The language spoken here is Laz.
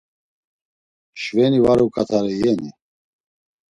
Şveni var uǩatare iyeni?